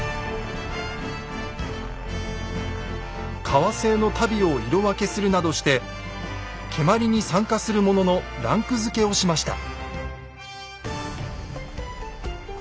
革製の足袋を色分けするなどして蹴鞠に参加する者のランクづけをしました。